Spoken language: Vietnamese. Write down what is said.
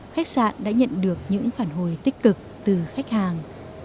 khách sạn đã nhận được những phản hồi tích cực từ khách hàng